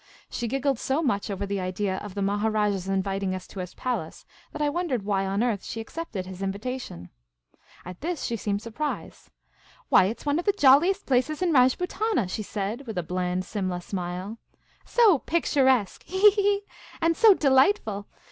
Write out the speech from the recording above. She giggled so much over the idea of the Maharajah's inviting us to his palace that I wondered why on earth she accepted his invitation. At this she seemed surprised. '' Why, it 's one of the jolliest places in Rajputana," she answered, with a bland Simla smile; ''so picturesque— he, he, he— and so delightful.